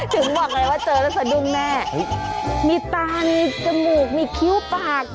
ถึงบอกเลยว่าเจอแล้วสะดุ้งแน่มีตามีจมูกมีคิ้วปาก